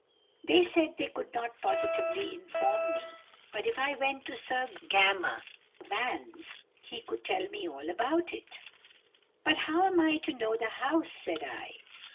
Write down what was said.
They said they could not positively inform me, but if I went to Sir Gammer Vans he could tell me all about it. "But how am I to know the house?" said I.